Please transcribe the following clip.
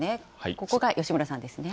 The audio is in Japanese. ここが吉村さんですね。